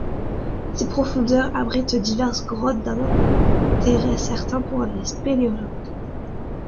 Ses profondeurs abritent diverses grottes d'un intérêt certain pour les spéléologues.